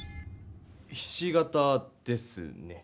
ひし形ですね。